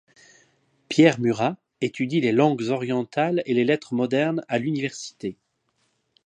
Pierre Murat étudie les langues orientales et les lettres modernes à l'université.